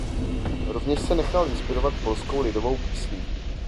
Rovněž se nechal inspirovat polskou lidovou písní.